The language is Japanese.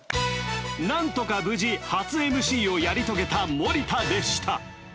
なんとか無事初ＭＣをやり遂げた森田でした！